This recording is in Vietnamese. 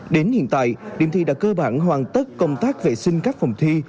đến hiện tại điểm thi đã cơ bản hoàn tất công tác vệ sinh các phòng thi